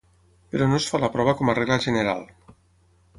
Però no es fa la prova com a regla general.